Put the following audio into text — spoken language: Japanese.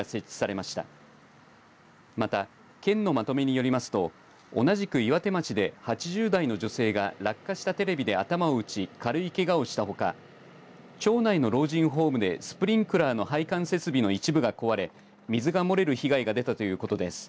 また、県のまとめによりますと同じく岩手町で８０代の女性が落下したテレビで頭を打ち軽いけがをしたほか町内の老人ホームでスプリンクラーの配管設備の一部が壊れ、水が漏れる被害が出たということです。